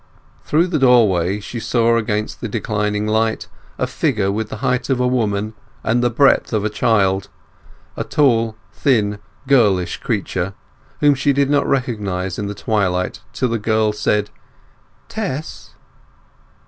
Through the doorway she saw against the declining light a figure with the height of a woman and the breadth of a child, a tall, thin, girlish creature whom she did not recognize in the twilight till the girl said "Tess!"